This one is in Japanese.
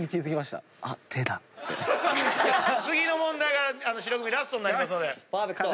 次の問題が白組ラストになりますので。